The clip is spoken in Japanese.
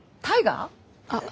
あっ。